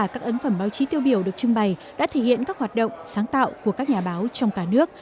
chí tiêu biểu được trưng bày đã thể hiện các hoạt động sáng tạo của các nhà báo trong cả nước